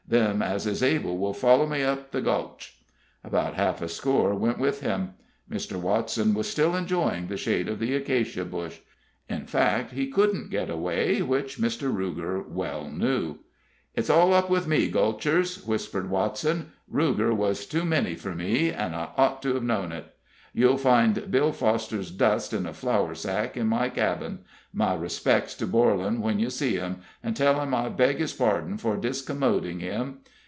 Them as is able will follow me up the Gulch." About half a score went with him. Mr. Watson was still enjoying the shade of the acacia bush. In fact, he couldn't get away, which Mr. Ruger well knew. "It's all up with me, Gulchers," whispered Watson. "Ruger was too many for me, and I ought to have known it. You'll find Bill Foster's dust in a flour sack, in my cabin. My respects to Borlan when you see him, and tell him I beg his pardon for discommoding him.